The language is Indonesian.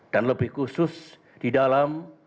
dan lebih khusus di dalam